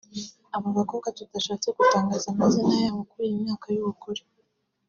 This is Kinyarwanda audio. Aba bakobwa tutashatse gutangaza amazina yabo kubera imyaka y’ubukure